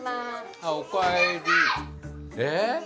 えっ？